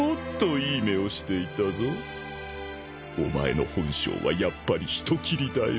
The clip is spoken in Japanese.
お前の本性はやっぱり人斬りだよ。